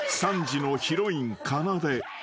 ［３時のヒロインかなで］